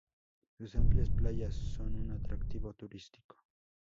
Sus amplias playas son un atractivo turístico.